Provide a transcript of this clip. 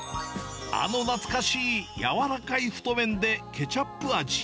あの懐かしい柔らかい太麺で、ケチャップ味。